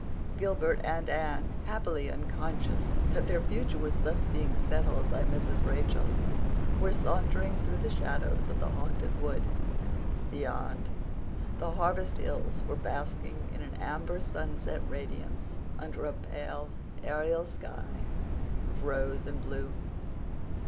Gilbert and Anne, happily unconscious that their future was thus being settled by Mrs. Rachel, were sauntering through the shadows of the Haunted Wood. Beyond, the harvest hills were basking in an amber sunset radiance, under a pale, aerial sky of rose and blue.